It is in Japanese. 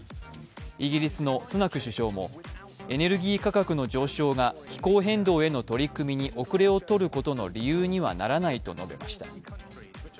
イギリスのスナク首相もエネルギー価格の上昇が気候変動への取り組みに後れを取ることの理由にはならない述べました。